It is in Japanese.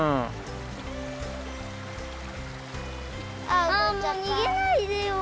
あっもうにげないでよ。